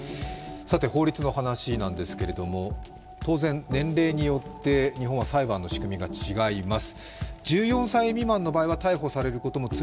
法律の話なんですけれども、当然年齢によって日本は裁判の仕組みが違います。